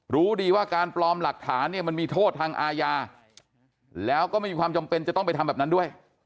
รู้ดีว่าการปลอมหลักฐานเนี่ยมันมีโทษทางอาญาแล้วก็ไม่มีความจำเป็นจะต้องไปทำแบบนั้นด้วย